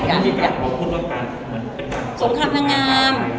สมครามนางงาม